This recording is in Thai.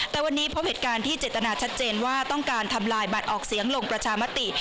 แต่วันนี้พบเหตุการณ์ที่เจตนาชัดเจนว่าต้องการทำลายบัตรออกเสียงลงประชามติ